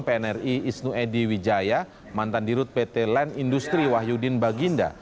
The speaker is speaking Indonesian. pnri isnu edy wijaya mantan dirut pt land industri wahyudin baginda